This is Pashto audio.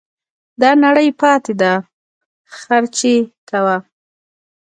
دا نړۍ پاته ده خرچې کوه